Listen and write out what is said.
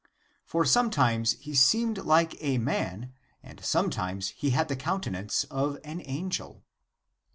For sometimes he seemed like a man, and sometimes he had the countenance of an angel.